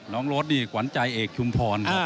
น้องโรดกวรรณ์ใจเอกชุมพร